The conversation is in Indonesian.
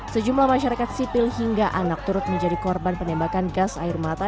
sejumlah masyarakat sipil hingga anak turut menjadi korban penembakan gas air mata